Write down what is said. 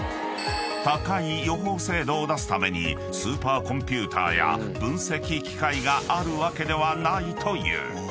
［高い予報精度を出すためにスーパーコンピューターや分析機械があるわけではないという］